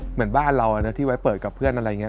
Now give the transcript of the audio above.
เหมือนบ้านเราที่ไว้เปิดกับเพื่อนอะไรอย่างนี้